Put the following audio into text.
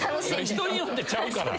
人によってちゃうから。